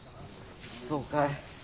そうかえ。